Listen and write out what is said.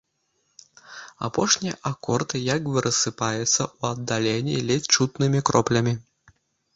Апошні акорд як бы рассыпаецца ў аддаленні ледзь чутнымі кроплямі.